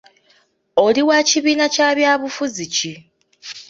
Oli wa kibiina kya byabufuzi ki?